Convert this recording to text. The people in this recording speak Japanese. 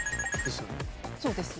そうです。